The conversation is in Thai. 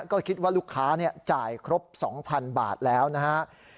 ก็คิดว่าลูกค้าเนี่ยจ่ายครบ๒๐๐๐บาทแล้วนะฮะ